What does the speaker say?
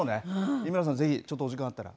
井村さん、ぜひちょっとお時間あったら。